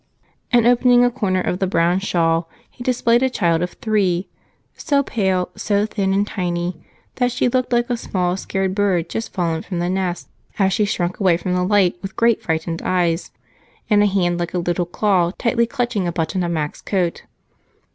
And, opening a corner of the brown shawl, he displayed a child of three so pale, so thin and tiny that she looked like a small scared bird just fallen from the nest as she shrank away from the light with great frightened eyes and a hand like a little claw tightly clutched a button of Mac's coat.